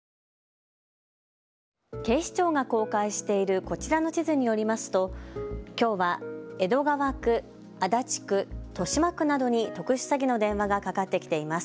警視庁が公開しているこちらの地図によりますときょうは江戸川区、足立区、豊島区などに特殊詐欺の電話がかかってきています。